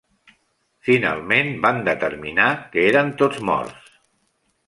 Finalment van determinar que eren tots morts.